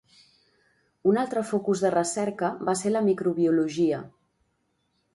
Un altre focus de recerca va ser la microbiologia.